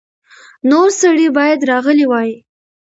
نور سړي باید راغلي وای.